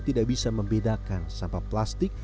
tidak bisa membedakan sampah plastik